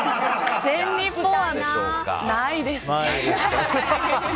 全日本はないですね。